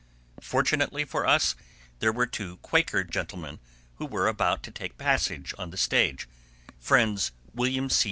Fortunately for us, there were two Quaker gentlemen who were about to take passage on the stage,—Friends William C.